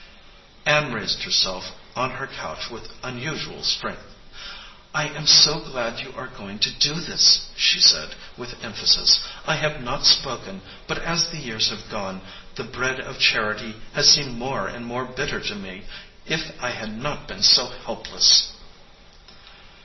Ann raised herself on her couch with unusual strength. "I am so glad you are going to do this," she said, with emphasis. "I have not spoken; but as the years have gone, the bread of charity has seemed more and more bitter to me. If I had not been so helpless